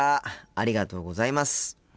ありがとうございます。